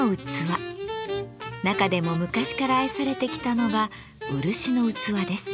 中でも昔から愛されてきたのが漆の器です。